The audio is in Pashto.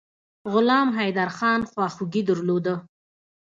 غلام حیدرخان خواخوږي درلوده.